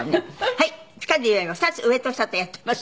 「はいピカデリーは今２つ上と下とやってます」。